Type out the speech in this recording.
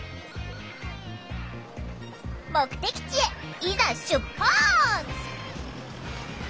目的地へいざ出発！